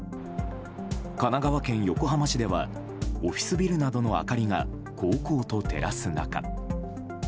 神奈川県横浜市ではオフィスビルなどの明かりがこうこうと照らす中。